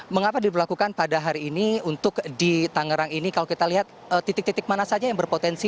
mengapa diberlakukan pada hari ini untuk di tangerang ini kalau kita lihat titik titik mana saja yang berpotensi